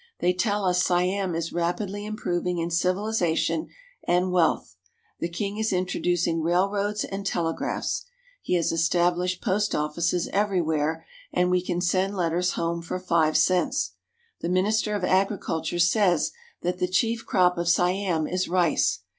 They tell us Siam is rapidly improving in civilization and THE KING OF SI AM AND HIS GOVERNMENT 1 97 wealth. The king is introducing railroads and telegraphs. He has established post offices everywhere, and we can send letters home for five cents. The Minister of Agriculture says that the chief crop of Siam is rice.